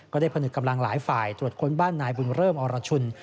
พนึกกำลังหลายฝ่ายตรวจค้นบ้านนายบุญเริ่มอรชุน